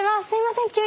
すみません